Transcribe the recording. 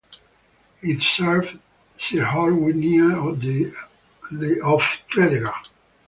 It served Sirhowy near the of Tredegar.